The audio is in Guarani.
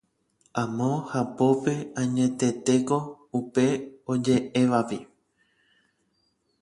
Amo hapópe añetetéko upe oje'évajepi